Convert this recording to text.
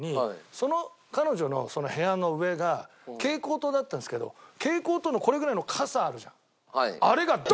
その彼女の部屋の上が蛍光灯だったんですけど蛍光灯のこれぐらいのかさあるじゃん。